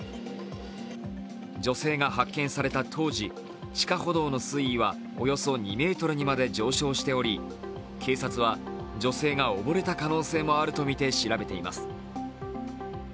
女性が発見された当時地下歩道の水位はおよそ２ｍにまで上昇しており警察は女性が溺れた可能性もあるとみて調べています。